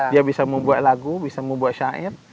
dia bisa membuat lagu bisa membuat syair